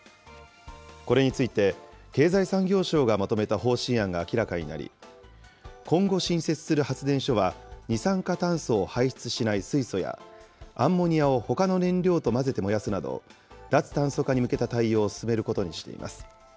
これについて、経済産業省がまとめた方針案が明らかになり、今後新設する発電所は、二酸化炭素を排出しない水素や、アンモニアをほかの燃料と混ぜて燃やすなど、脱炭素化に向けた対応を進めることにしています。